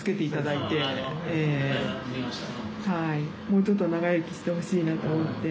もうちょっと長生きしてほしいなと思って。